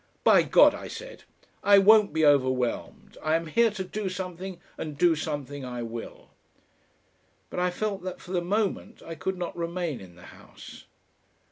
"By God!" I said, "I won't be overwhelmed. I am here to do something, and do something I will!" But I felt that for the moment I could not remain in the House.